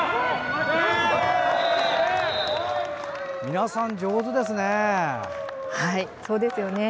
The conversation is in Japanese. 皆さん、上手ですね！